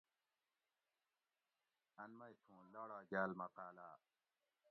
ان مئی مہ تھوں لاڑاگاۤل مقالاۤ